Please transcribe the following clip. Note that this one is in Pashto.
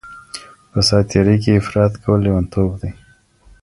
په ساعت تیرۍ کي افراط کول لیونتوب دی.